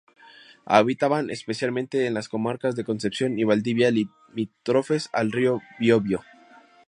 Habitaban especialmente en las comarcas de Concepción y Valdivia, limítrofes al río Biobío.